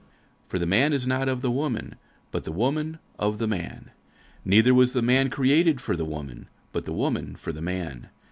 46:011:008 For the man is not of the woman: but the woman of the man. 46:011:009 Neither was the man created for the woman; but the woman for the man.